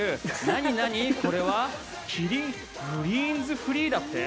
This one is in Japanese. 何々、これはキリングリーンズフリーだって？